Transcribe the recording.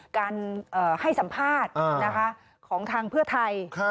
การให้สัมภาษณ์ของทางเพื่อไทย